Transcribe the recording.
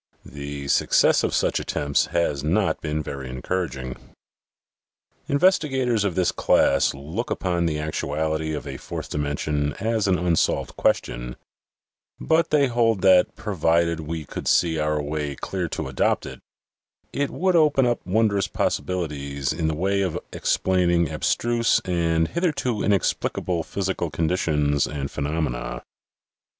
The success of such attempts has not been very encouraging. Investigators of this class look upon the actuality of a fourth dimension as an unsolved question, but they hold that, provided we could see our way clear to adopt it, it would open up wondrous possibilities in the way of explain ing abstruse and hitherto inexplicable physical conditions and phenomena.